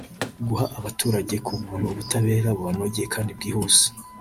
guha abaturage ku buntu ubutabera bubanogeye kandi bwihuse